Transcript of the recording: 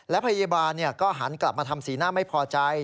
และพยาบาลก็หันกลับมาทำสีหน้าไม่พอใจ